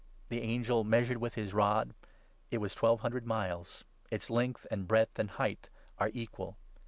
The angel measured with his rod ; it was twelve hun dred miles ; its length, and breadth, and height are equal.